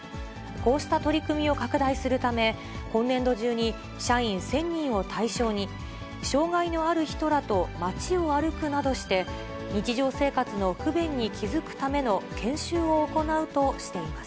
こうした取り組みを拡大するため、今年度中に社員１０００人を対象に、障がいのある人らと街を歩くなどして、日常生活の不便に気付くための研修を行うとしています。